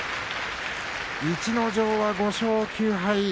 逸ノ城は５勝９敗。